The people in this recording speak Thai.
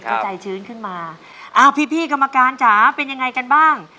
ก็ใจชื้นขึ้นมาอ้าวพี่พี่กรรมการจ๋าเป็นยังไงกันบ้าง